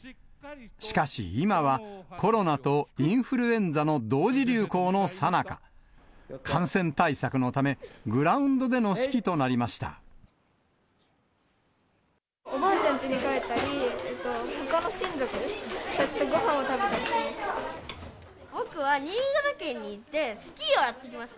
しかし今は、コロナとインフルエンザの同時流行のさなか。感染対策のため、おばあちゃんちに帰ったり、ほかの親族たちとごはんを食べたりしました。